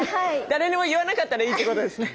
誰にも言わなかったらいいってことですね。